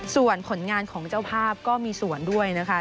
ส่วนผลงานของเจ้าภาพก็มีส่วนด้วยนะคะ